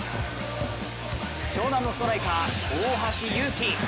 湘南のストライカー、大橋祐紀。